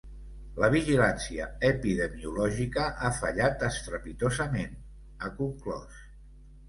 La vigilància epidemiològica ha fallat estrepitosament, ha conclòs.